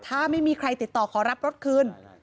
ถ้าไม่มีใครติดต่อขอรับรถคืน